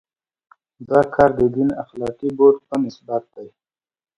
دا کار د دین اخلاقي بعد په نسبت دی.